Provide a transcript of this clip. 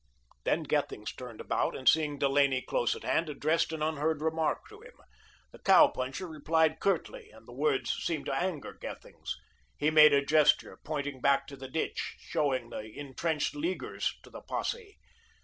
Then Gethings turned about, and seeing Delaney close at hand, addressed an unheard remark to him. The cow puncher replied curtly and the words seemed to anger Gethings. He made a gesture, pointing back to the ditch, showing the intrenched Leaguers to the posse.